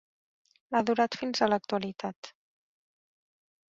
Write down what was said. Ha durat fins a l'actualitat.